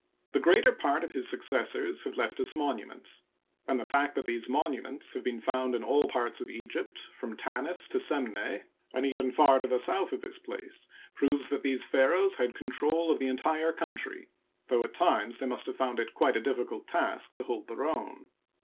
The greater part of his successors have left us monuments ; and the fact that these monuments have been found in all parts of Egypt from Tanis to Semneh, and even far to the south of this place, proves that these pharaohs had control of the entire country, though at times they must have found it quite a difficult task to hold their own.